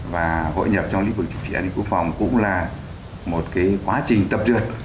và hội nhập trong lĩnh vực chính trị an ninh quốc phòng cũng là một quá trình tập dượt